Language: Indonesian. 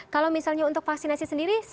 kalau misalnya untuk vaksinasi sendiri